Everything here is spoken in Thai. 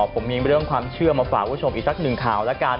ผมมีเรื่องความเชื่อมาฝากคุณผู้ชมอีกสักหนึ่งข่าวแล้วกัน